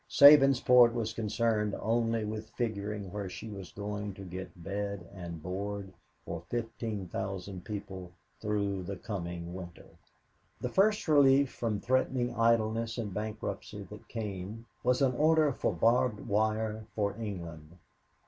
Sabinsport was concerned only with figuring where she was going to get bed and board for 15,000 people through the coming winter. The first relief from threatening idleness and bankruptcy that came was an order for barbed wire for England.